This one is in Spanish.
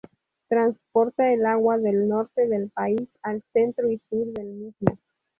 Transporta el agua del norte del país al centro y sur del mismo.